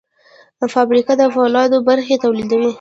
فابریکه د فولادو برخې تولیدوي.